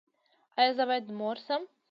ایا زه باید مور شم؟